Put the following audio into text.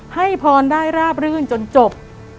ให้พรได้ราบรื่นจนจบ